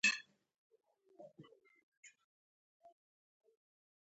په خپل تندي کې پر جانان غزل ولیکم.